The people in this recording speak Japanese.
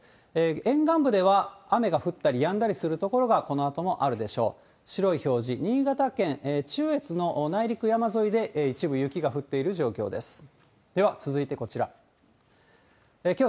沿岸部では雨が降ったりやんだりする所が、このあともあるでしょう。